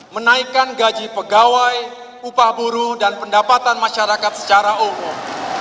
menaikkan gaji pegawai upah buruh dan pendapatan masyarakat secara umum